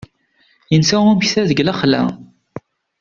Yensa umeksa deg lexla.